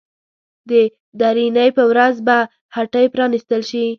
د درېنۍ په ورځ به هټۍ پرانيستل شي.